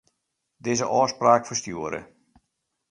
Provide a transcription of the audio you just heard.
Dizze ôfspraak ferstjoere.